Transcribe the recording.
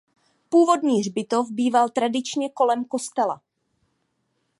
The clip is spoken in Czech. Původní hřbitov býval tradičně kolem kostela.